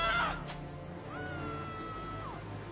あ！